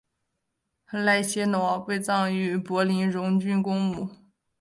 赖歇瑙被葬于柏林荣军公墓。